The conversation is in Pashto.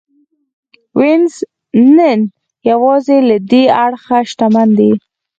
وینز نن یوازې له دې اړخه شتمن دی.